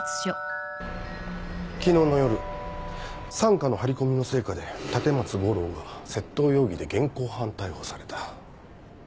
昨日の夜三課の張り込みの成果で立松五郎が窃盗容疑で現行犯逮捕された。